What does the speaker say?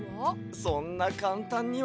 そんなかんたんには。